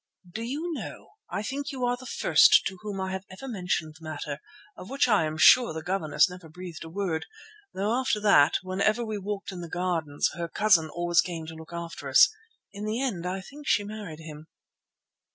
Do you know, I think you are the first to whom I have ever mentioned the matter, of which I am sure the governess never breathed a word, though after that, whenever we walked in the gardens, her 'cousin' always came to look after us. In the end I think she married him."